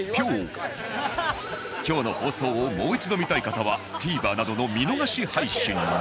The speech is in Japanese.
今日の放送をもう一度見たい方は ＴＶｅｒ などの見逃し配信で